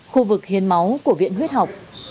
khu vực hiến máu của viện huyết học